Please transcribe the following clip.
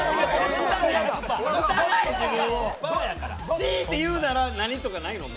強いて言うなら何とかないの？